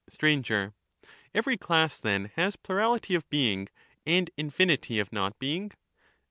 motion, Sir. Every class, then, has plurality of being and infinity pc<^ioncd of not being.